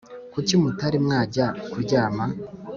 kuki mutari mwajya kuryama